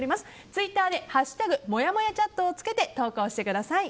ツイッターで「＃もやもやチャット」をつけて投稿してください。